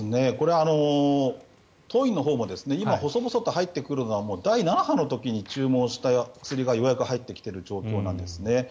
当院のほうも今、細々と入ってくるのは第７波の時に注文した薬がようやく入ってきている状況なんですね。